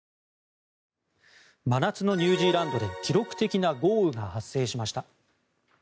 真夏のニュージーランドで記録的な豪雨が発生しました。